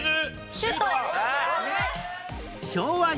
シュート！